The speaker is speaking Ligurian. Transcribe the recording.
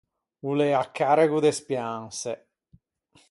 O l’ea carrego de speanse.